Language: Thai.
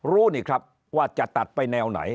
รู้นี่ครับว่าจะตัดไปแนวไหน